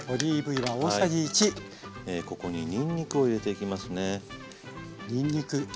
ここににんにくを入れていきますね。